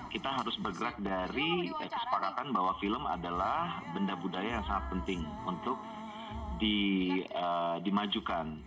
kita harus bergerak dari kesepakatan bahwa film adalah benda budaya yang sangat penting untuk dimajukan